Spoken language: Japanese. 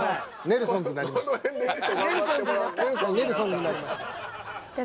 ネルソンズになりました。